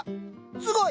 すごい！